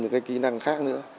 những cái kỹ năng khác nữa